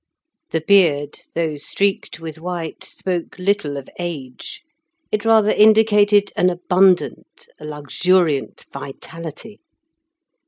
The beard, though streaked with white, spoke little of age; it rather indicated an abundant, a luxuriant vitality.